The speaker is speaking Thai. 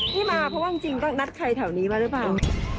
ที่มาเพราะว่าจริงก็นัดใครแถวนี้มาหรือเปล่า